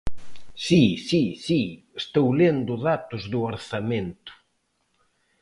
Si, si, si, estou lendo datos do orzamento.